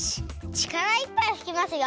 ちからいっぱいふきますよ！